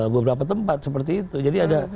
beberapa tempat seperti itu jadi ada